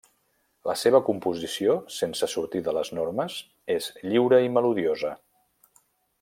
La seva composició, sense sortir de les normes, és lliure i melodiosa.